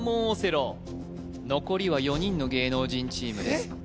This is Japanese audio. オセロ残りは４人の芸能人チームです